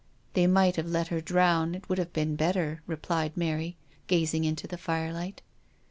"They might have let her drown. It would have been better," replied Mary, gazing into the firelight.